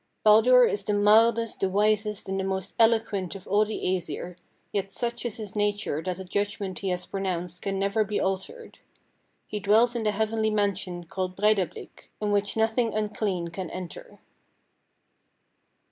Baldur is the mildest, the wisest, and the most eloquent of all the Æsir, yet such is his nature that the judgment he has pronounced can never be altered. He dwells in the heavenly mansion called Breidablik, in which nothing unclean can enter."